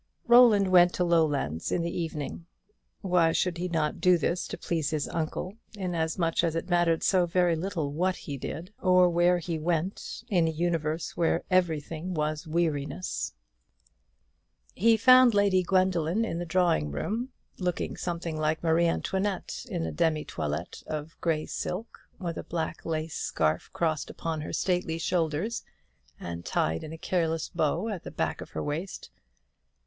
Roland went to Lowlands in the evening. Why should he not do this to please his uncle; inasmuch as it mattered so very little what he did, or where he went, in a universe where everything was weariness. He found Lady Gwendoline in the drawing room, looking something like Marie Antoinette in a demi toilette of grey silk, with a black lace scarf crossed upon her stately shoulders, and tied in a careless bow at the back of her waist.